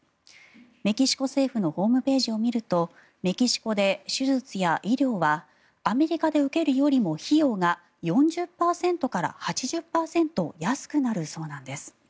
メキシコ政府のホームページを見るとメキシコで手術や医療はアメリカで受けるよりも費用が４０％から８０％安くなるそうなんです。